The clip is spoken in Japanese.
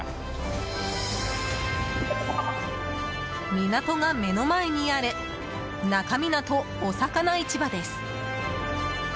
港が目の前にある那珂湊おさかな市場です。